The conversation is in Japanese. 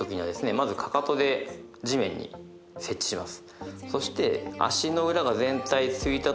まずかかとで地面に接地します